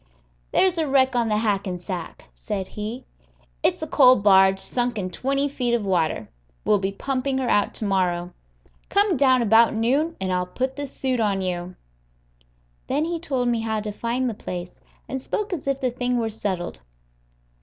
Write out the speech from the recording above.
"There's a wreck on the Hackensack," said he; "it's a coal barge sunk in twenty feet of water. We'll be pumping her out to morrow. Come down about noon, and I'll put the suit on you." Then he told me how to find the place, and spoke as if the thing were settled.